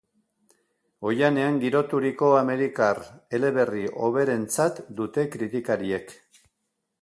Oihanean giroturiko amerikar eleberri hoberentzat dute kritikariek.